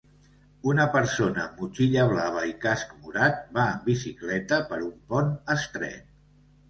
Una persona amb motxilla blava i casc morat va en bicicleta per un pont estret.